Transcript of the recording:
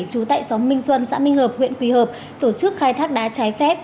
trú tại xóm minh xuân xã minh hợp huyện quỳ hợp tổ chức khai thác đá trái phép